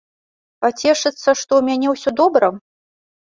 Пацешыцца, што ў мяне ўсё добра?